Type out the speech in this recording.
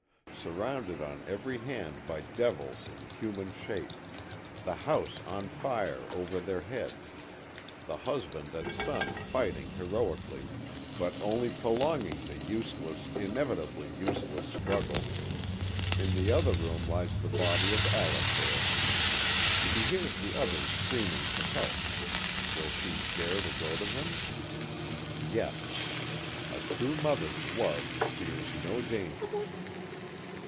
Surrounded on every hand by devils in human shape; the house on fire over their heads; the husband and son fighting heroically, but only prolonging the useless, inevitably useless struggle; in the other room lies the body of Allifair. She hears the others screaming for help. Will she dare to go to them? Yes. A true mother's love fears no dangers.